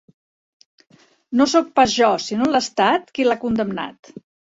No soc pas jo, sinó l'Estat qui l'ha condemnat.